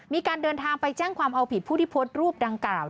มีการเดินทางไปแจ้งความเอาผิดผู้ที่โพสต์รูปดังกล่าว